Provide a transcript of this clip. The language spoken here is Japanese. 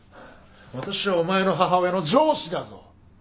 私はお前の母親の上司だぞ？